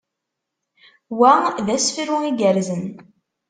Wa d asefru igerrzen.